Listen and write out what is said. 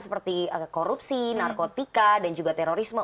seperti korupsi narkotika dan juga terorisme